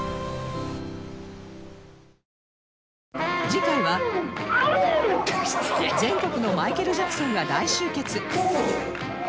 次回は全国のマイケル・ジャクソンが大集結！